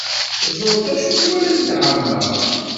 Ẓret acu twala lɛamma.